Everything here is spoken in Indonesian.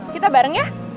kita bareng ya